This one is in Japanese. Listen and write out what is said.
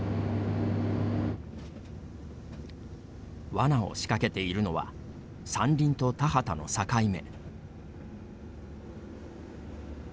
わなを仕掛けているのは山林と田畑の境目。